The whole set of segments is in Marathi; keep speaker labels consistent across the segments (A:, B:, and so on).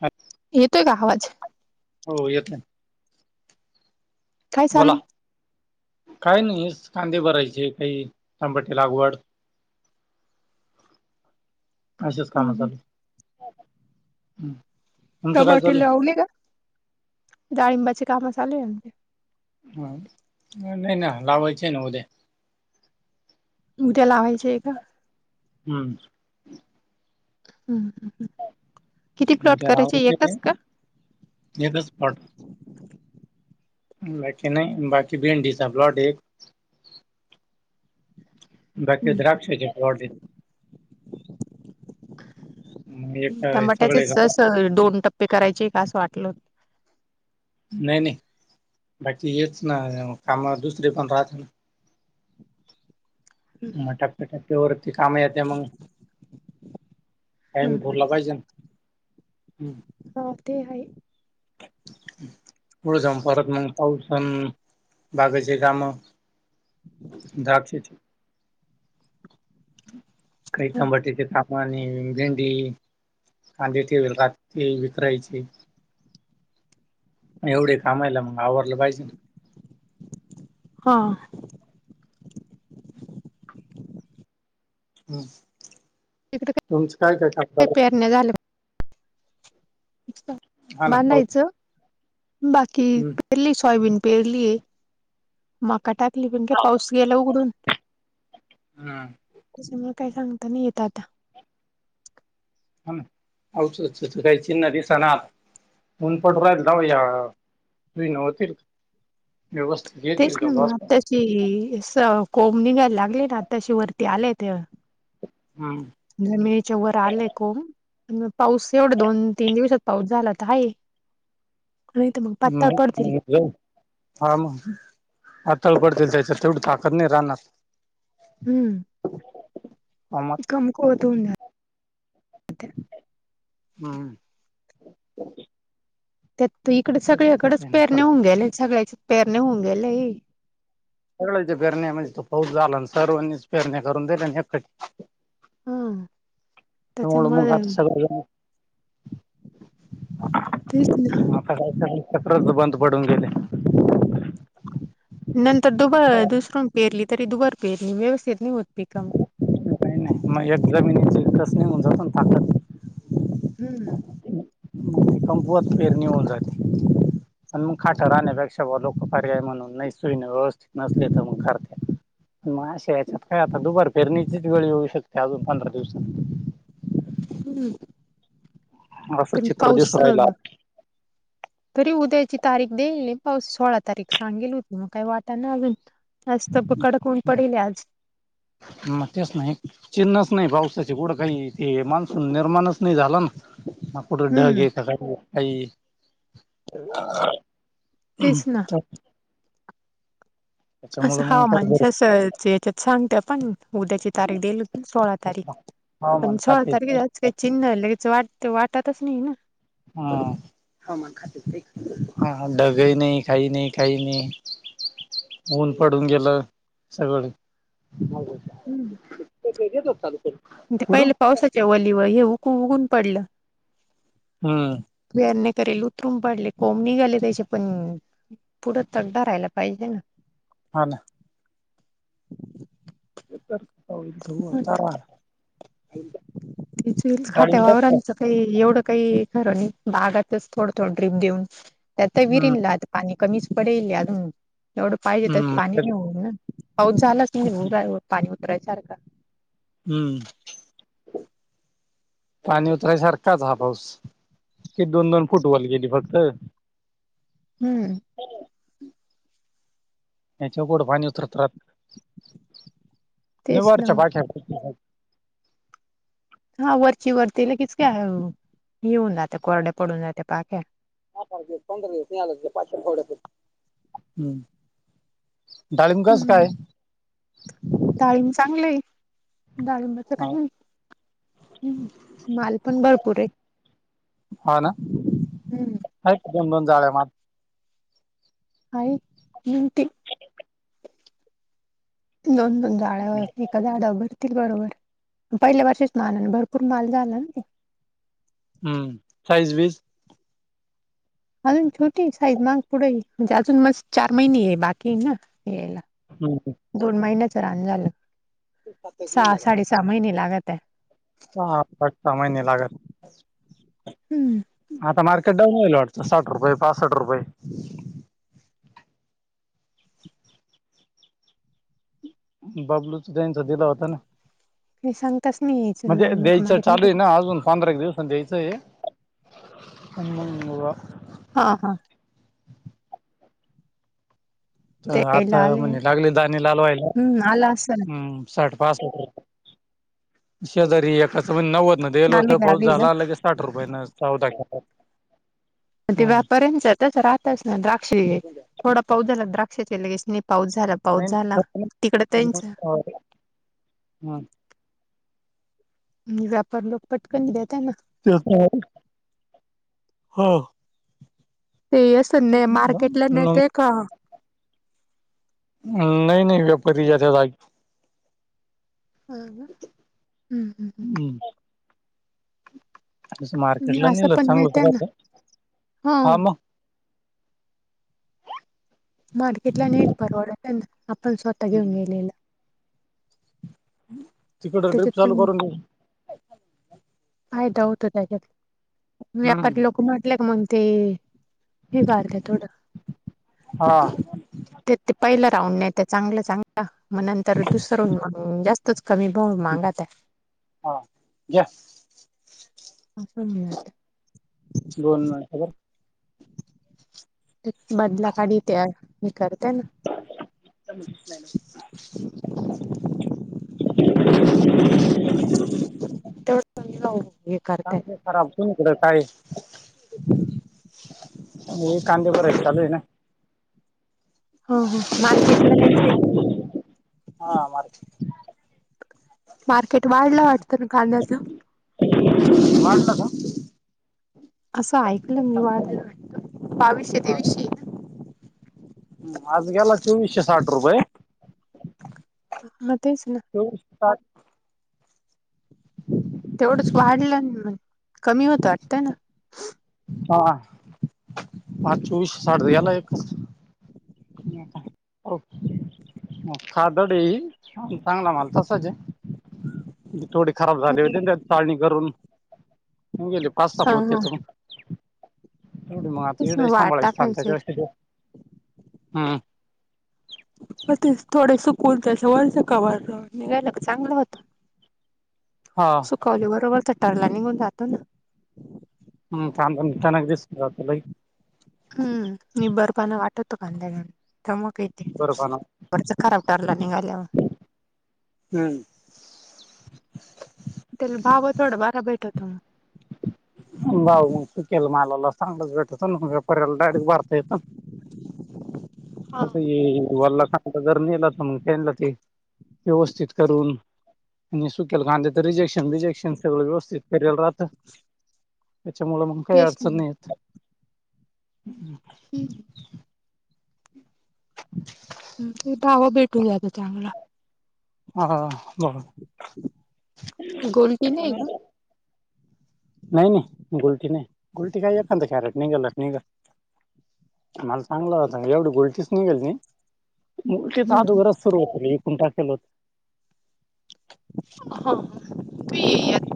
A: अच्.
B: येतोय का आवाज.
A: हो येत.
B: काय
A: बोला
B: चालू
A: काय नाही कांदे भरायचे काही तांपटी लागवड अच काम
B: हम्म
A: चालू.
B: त
A: तुमचं काय चालू आहे
B: बटेवले का डाळिंबाची काम चालू
A: ह नाही नाही लावायचे ना उदय.
B: उठेलावायचे एक का.
A: ह.
B: ह् किती प्लॉट
A: उद्या
B: करायचे
A: लावायचे ते
B: येतच का.
A: एकच पाट. बाकी नाही बाकी बी एनडीचा ब्लॉट एक बाकी द्राक्ष होयॉ. मग एक अ, सगळे
B: टमाट्याचेच अस
A: गावात
B: दोन टप्पे करायचे का असं वाटलत.
A: नाही नाही बाकी हेच ना काम दुसरे पण राहत ना.
B: [unintelligible]
A: म टापे टपे वरती काम येत. एमन टाइम बरला आहे जन.
B: ह ते आहे.
A: पुळ जाऊ परत मग पाऊ सण बागाचे काम. दाखक्ष. काहीबरती का. आणि भेंडी कांदे ठेवेल रात ते विकरायचे. एवढे कामायला मग आवरलं पाहिजे ना.
B: हा.
A: हम् तुमचं काय काय कामणार.
B: झालं.
A: हा ना पाऊस
B: बांधायचं बाकी.
A: हम्म
B: परली सोयाबीन पेरली माका टाकली पण काय पाऊस गेला उघडून.
A: हम.
B: तस मला काही सांगताना येत आता.
A: हा आच त काही चिन्ह दिसाना आला. ऊनपट राहिल जाऊ या तु नवतील व्यवस्थित
B: तेच ना मग आत्ताशी कोंब निघायला लागले ना आत्ताशी वरती आलेय ते
A: हम्म.
B: म्हणे मेच्या वर आलंय को पाऊस एवढं दोन तीन दिवसात पाऊस झाला तर आहे. [inaudible] पातळ पडतील
A: ् हा म. हातळ पडतील त्याच्यात तेवढी ताकत नाही राहणार.
B: हम्म. कमक होतो.
A: हम्.
B: त्यात तू इकडडे
A: तेच तर
B: सगळ्याकडेच
A: आहे ना
B: पेरणे
A: खरं
B: होऊन गेले सगळ्याचेच पेरणे होऊन गेलेय.
A: सगळ्यांच्या पेरण्या म्हणज तो पाऊस झाला सर्वांनीच पेरण्याणे करून दिले एकटी.
B: हा
A: मुळ मग
B: त्याच्यामुळे
A: आता सगळेण.
B: तेच
A: स चक्रच बंद पडून गेले.
B: नंतर दुब
A: काय
B: दुसरून पेरली तरी दुबार पेरली व्यवस्थित नाही होत पिकम
A: अडचण काही मग एकदा मनस नाहीऊन जाताकात
B: हम्मम.
A: कंपवत फेरणी होन जाते. पण मग खाटं राहण्यापेक्षा लोक पर्याय म्हणून नाही सुईने व्यवस्थित नसले तर मग खरते. मग अे याच्यात काय आता दुपार फेरणीचीच गळी होऊ शकते अजून पंधरा दिवसां
B: हम्म.
A: असं
B: कण
A: चित्र
B: पाऊस
A: दिसून राहिला
B: तरी उद्याची तारीख देईल नाही पा सोळा तारीख सांगेल होती मग काही वाटा ना अजून आजत ब कडकन पडेल आज
A: मग तेच नाही चिन्हच नाही पावसाचे गुडं काही ते मान्सून निर्माणच नाही झाला ना. ह. फट
B: हम्म
A: घे का खई.
B: तेच ना असं हा
A: मग काय
B: मणज
A: गरज
B: अस याच्यात सांगते पण उद्याची तारीख देल हो सोळा तारीख पण
A: हवामान
B: सोळा तारीखे
A: खाते
B: जास्. चिन्ह लगेच वाटत वाटातच नाही ना.
A: हा. हमा हा दघही नाही खाई नाही खाही नाही. ऊन पडून गेलं सगळ.
B: हम्म
A: ेत होता तु कुठू?
B: वली व हे खू उगून पडलं.
A: हम.
B: वयार नाही करेल उतरून पाडले कोंब निघाले त्याचे पण पुढं तगडा राहायला पाहिजे ना.
A: हा ना.
B: [inaudible]
A: व आता
B: तेचईल खाट्या
A: डाळिंब
B: वावरांचं.
A: हम्म
B: काही एवढं काही खरं नाही बागातच थोडं थोड ड्रीप देऊन. त्याता वीरनल आता पाणी कमीच पडेलली अजून एवढं पाहिजे त्या
A: हम्म
B: पाणी नाही होन ना पाऊस झालाच क पाणी उतरायसारखं
A: हम्म पाणी उतरायसारखाच हा पाऊस की दोन दोन फुटवाॉल गेली फक्त.
B: हम्म
A: ह. त्या चकड पाणी उतरत रात
B: तेच ना
A: निवारच्या बा्या.
B: हा वरची वरती लगीच काय हे होऊन जात्या कोरडे पडून जाते पाख्या.
A: हहा पाच दिवस पंधरा दिवस नाही आला तर पाठविण [unintelligible] हम्म. डाळींब कस काय ये.
B: डाळींब चांगलय डाळींब. काही्, हम्म माल पण भरपूर आहे.
A: हाना
B: हम्म
A: हयात काय दोन दोन जाळ्या.
B: हायत ग्रीन टी दोन दोन जाळ्या होतील. पहिल्या झाडावर भरतील बरोबर, पहिल्या वर्षीच माल भरपूर माल झाला.
A: हम्म साईज वीज
B: अजून छोटी साईज मग पुढे म्हणजे अजून मस् चार महिने ये बाकी ना यायला
A: हम ह
B: दोन महिन्याचं रान झालं,
A: सात एक महिने
B: सहा साडे सहा महिने लागत्या
A: सहा - पाच सहा महिने लागत्या
B: हम्म
A: आता मार्केट डाऊन व्हयेल वाटतं साठ रुपये, पासष्ट रुपये बबलूच न त्याचं दिला होता ना
B: हे सांगताच नाही यायचं
A: म्हणजे
B: डाळिंबाचं
A: द्यायचं
B: मार्केट
A: चालू आहे
B: नाही.
A: ना अजून पंधरा एक दिवस द्यायचं [unintelligible] आण मंग [unintelligible]
B: हा हा
A: तर
B: ते
A: आता
B: लाल आहे
A: म्हणे लागले दाणे लाल व्हायला
B: हम्म आला असेल
A: हम्म साठ पासाट शेजारी एकाचं म्हण नव्वत न द्रेयल होत
B: आले
A: पाऊस
B: लागली ना
A: झाला लगेच साठ रुपये ना चौदा क
B: म ते व्यापारे च्यात तस राहतच ना द्राक्ष थोडा पाऊस झाला द्राक्ष लगेच नाही पाऊस झाला.
A: नाही
B: पाऊस झाला तिकड त्यांच
A: [unintelligible]
B: व्यापार लोक पटकन देत्या ना
A: [unintelligible]
B: ते असं [unintelligible]
A: तेच
B: नाही मार्केटला
A: म्हणलं
B: नेत्या का
A: नाही नाही व्यापारी येत्यात जागी.
B: हा ना हम्म हम् हम्म
A: तस मार्केटला
B: असं
A: नेलं
B: पण
A: चांगलंच
B: नेत्या ना
A: राहत. हा मग
B: मार्केटला न नेयेल परवड नाही ना, आपण स्वतः घेऊन गेलेल.
A: तिकड ड्र्रीप
B: त्याच्यात
A: चालू
B: पण
A: करून दे रे
B: फायदा होतो त्याच्यात, व्यापारी लोक म्हटले का मग ते? एक आर्ध थोड
A: हा
B: ते ते पहिलं राऊंड नेत्या चांगलं चांगलं, मग नंतर दुसरं जास्त तेच कमी भाव मागात्या.
A: हां घ्या
B: [unintelligible]
A: दोन हजार
B: बदला काढीत्या हे करत्यात ना
A: [inaudible]
B: [inaudible] तेवढ [unintelligible]
A: चांग ते खराबतीन इकडं काय हे कांदे भरायच चालू ये ना
B: हा हा मार्केटला न्यायचंय का.
A: हा मार्केट
B: मार्केट वाढलंय वाटतं ना कांद्याच.
A: मातल का.
B: असं ऐकलं
A: काही
B: मी
A: सांगता
B: वाढ
A: येईना.
B: दिलं वाटतं बावीसशे
A: हा का?
B: तेवीसशे.
A: आज गेला चोवीसशे साठ रुपये.
B: मध्येच ना.
A: हो उस्ताद ‌ हम.
B: तेवढंच वाढलं मन कमी होतं वाटतंय ना.
A: हा पाचू ड द याला एक का खदडी चांगला माल तसाच आहेे थोडी खराब झाली होती त्या चालणी करून गेले पास्ता
B: हा
A: प होते
B: हा
A: त एवढ मग आता
B: तेच
A: इढ
B: वाढ
A: सांभळसता
B: टाकायचे
A: त्याच्या व हम
B: म ते थोडे सुकून त्यास वर्च कवर निघायला चांगलं होत.
A: हाआ‌.
B: कॉली बरोबर थटारला निघून जातो ना.
A: हंम थांबन तानाक दिसतात लय.
B: हम्म निंबर पणा वाटतो कांद्या चमोके.
A: बरोबर
B: वरच खराब ठरला निघाल्यावर.
A: हम्म.
B: त्याला भाव थोडं बारा भेटतो मग.
A: भाऊ मग सुकेल मालाला चांगलंच भेटतन. यला डायरेक्ट भरता येत यत
B: मग
A: य वला का. जर नेल तमंग त्याला ते व्यवस्थित करून. आणि सुकेल कांद्याच रिजेक्शन बिजेक्शन सगळ व्यवस्थित करेल राहत.
B: [inaudible]
A: त्याच्या मुळ मग काही
B: तेच
A: अडचण
B: ना
A: नाही येत.
B: हम्म. ते भावं भेटून जातं चांगला.
A: हा हा हा बंर.
B: गोल्टी नाही हे का.
A: नाही नाही गुलटी नाही गुलटी काय एखाद्या घरात निघलन. निघा माल चांगला होता एवढी गलटीचं निघेल ती. मुल केच
B: हम्म
A: आदूररसतर हो मी एकूण टाकेल होत.
B: हो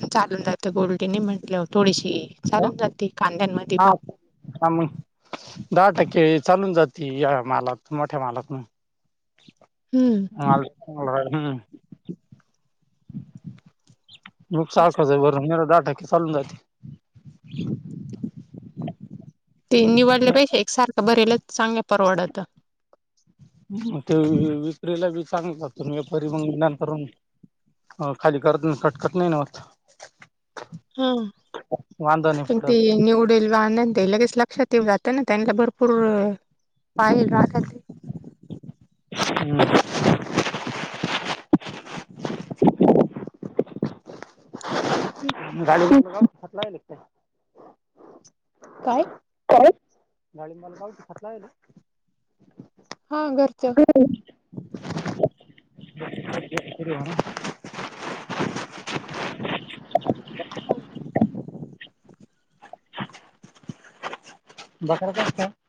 B: तू चालून जात गोलटी नाही म्हंटलं वर थोडीशी. चालून जाते कांद्यांमध्ये
A: हा
B: पण.
A: हा मग दहा टक्के चालून जाते या मालात मोठ्या मालात मग.
B: [inaudible]
A: हाम्म हंम हंम. मग सारखं जर भरून गेलं दहा टक्के चालून जाते.
B: ते निवडल्या पेक्षा एकसारखं बरेलंच चांगलं परवडतं
A: मग ते विक्रीला बी चांगल जात व्यापारी मग नंतर मग. अ खाली गरदन सटकत नाही ना वाटतं.
B: हंम पण ते
A: पडत
B: निवड. रेल्वे आनंद हे लगेच लक्षात येऊ जातं ना त्यांना भरपूर पायेल राहतात ते.
A: हंम. ह..
B: क्विक.
A: गाडीतला लगत [inaudible]
B: काय?
A: काय गाडी मला गव खातलाला
B: हा घरच
A: [unintelligible] [unintelligible] बखर कासत [unintelligible]